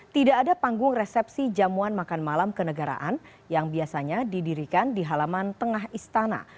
tidak ada panggung resepsi jamuan makan malam kenegaraan yang biasanya didirikan di halaman tengah istana